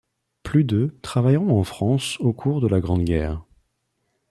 Plus de travailleront en France au cours de la Grande Guerre.